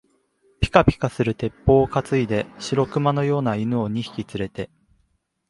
ぴかぴかする鉄砲をかついで、白熊のような犬を二匹つれて、